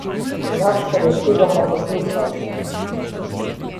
Gašper je čudoma poslušal.